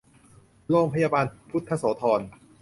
โรงพยาบาลพุทธโสธร